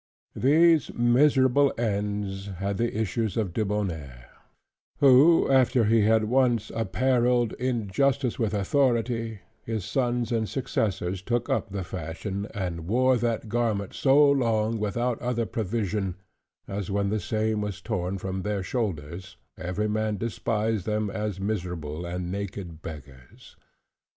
These miserable ends had the issues of Debonnaire, who after he had once apparelled injustice with authority, his sons and successors took up the fashion, and wore that garment so long without other provision, as when the same was torn from their shoulders, every man despised them as miserable and naked beggars.